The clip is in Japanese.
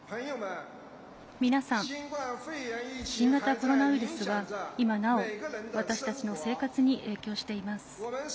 皆さん、新型コロナウイルスは今なお私たちの生活に影響しています。